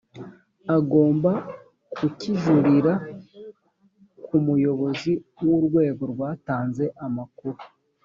agomba kukijurira ku muyobozi w’urwego rwatanze amakuru